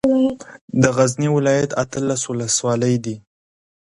د غزني ولايت اتلس ولسوالۍ دي